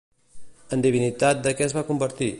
En divinitat de què es va convertir?